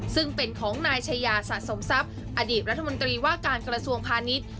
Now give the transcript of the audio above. ซึ่งเป็นของนายชายาสะสมทรัพย์อดีตรัฐมนตรีว่าการกระทรวงพาณิชย์